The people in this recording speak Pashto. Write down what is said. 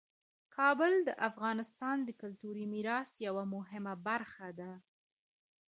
کابل د افغانستان د کلتوري میراث یوه مهمه برخه ده.